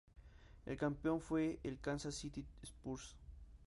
El campeón fue el Kansas City Spurs.